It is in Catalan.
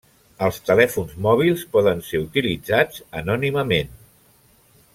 Els telèfons mòbils poden ser utilitzats anònimament.